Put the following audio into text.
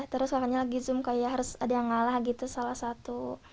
terus soalnya lagi zoom kayak harus ada yang ngalah gitu salah satu